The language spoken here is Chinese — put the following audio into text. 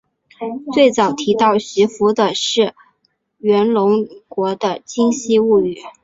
最早提到徐福的是源隆国的今昔物语。